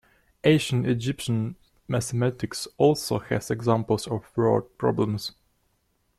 Ancient Egyptian mathematics also has examples of word problems.